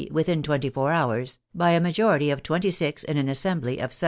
within twenty four hours, by a majority of 26 in an assembly of 721.